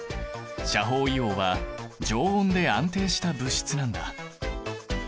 斜方硫黄は常温で安定した物質なんだ。